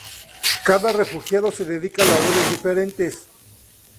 Cada refugiado se dedica a labores diferentes.